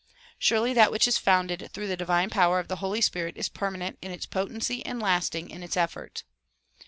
Surely that which is founded through the divine power of the Holy Spirit is permanent in its potency and lasting in its effect.